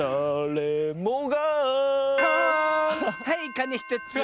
はいかね１つ！